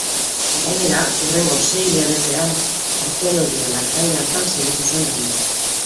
Gainera, hurrengo sei hilabetean arkeologia lantalde hartan segitu zuen lanean.